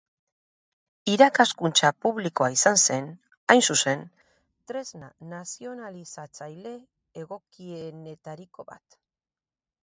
Irakaskuntza publikoa izan zen, hain zuzen, tresna nazionalizatzaile egokienetariko bat.